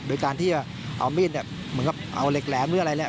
โดยการที่เอามีดเหมือนกับเอาเล็กแหลมหรืออะไร